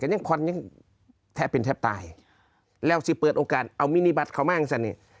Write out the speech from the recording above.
ยังควันยังแทบเป็นแทบตายแล้วสิเปิดโอกาสเอามินิบัตรเขามาให้เสน่ห์